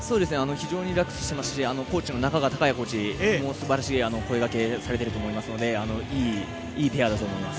非常にリラックスしてますしコーチも素晴らしい声掛けをされていると思いますのでいいペアだと思います。